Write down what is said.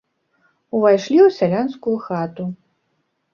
Увайшлі ў сялянскую хату.